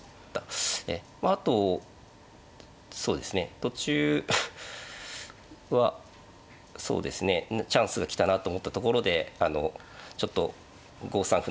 あとそうですね途中はそうですねチャンスが来たなと思ったところであのちょっと５三歩